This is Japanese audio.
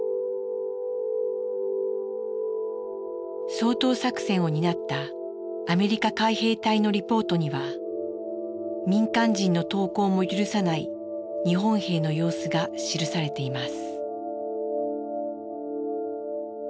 掃討作戦を担ったアメリカ海兵隊のリポートには民間人の投降も許さない日本兵の様子が記されています。